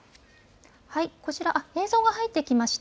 こちら、映像が入ってきました。